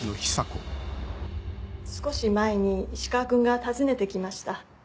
少し前に石川君が訪ねて来ました。